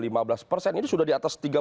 ini sudah di atas tiga puluh tiga